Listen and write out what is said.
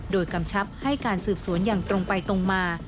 โดยกำชับให้การสืบสวนอย่างตรงไปตรงมา